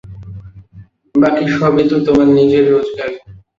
বাকি সবই তো তোমার নিজের রোজগার।